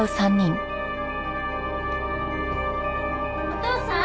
お父さん！